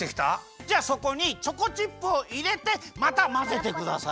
じゃあそこにチョコチップをいれてまたまぜてください。